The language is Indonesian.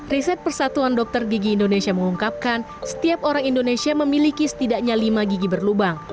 riset persatuan dokter gigi indonesia mengungkapkan setiap orang indonesia memiliki setidaknya lima gigi berlubang